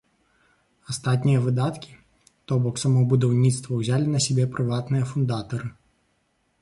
Астатнія выдаткі, то бок само будаўніцтва, узялі на сябе прыватныя фундатары.